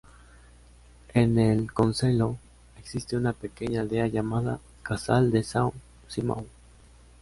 En el concelho existe una pequeña aldea llamada: "Casal de São Simão".